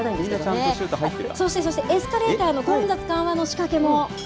そしてエスカレーターの混雑解消の仕掛けも。